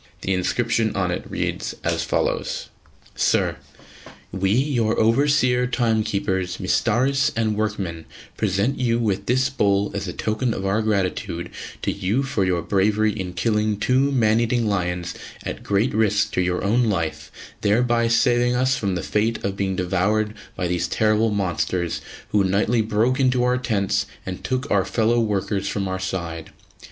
The inscription on it reads as follows: SIR, We, your Overseer, Timekeepers, Mistaris and Workmen, present you with this bowl as a token of our gratitude to you for your bravery in killing two man eating lions at great risk to your own life, thereby saving us from the fate of being devoured by these terrible monsters who nightly broke into our tents and took our fellow workers from our side.